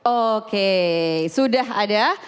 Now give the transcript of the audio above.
oke sudah ada